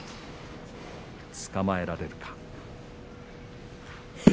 つかまえられるか。